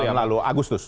tahun lalu agustus